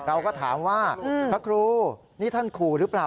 เราก็ถามว่าพระครูนี่ท่านขู่หรือเปล่า